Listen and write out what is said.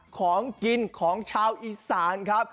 ของกินของชาวอีสานครับ